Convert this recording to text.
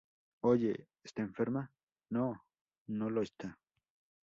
¡ Oye! ¡ está enferma! ¡ no, no lo está!